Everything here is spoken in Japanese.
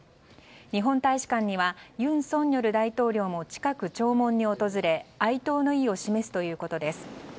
日本大使館には尹錫悦大統領も近く弔問に訪れ哀悼の意を示すということです。